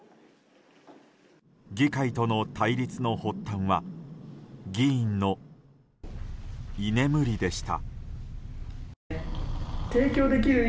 議会との対立の発端は議員の居眠りでした。